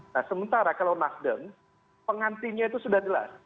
nah sementara kalau nasdem pengantinnya itu sudah jelas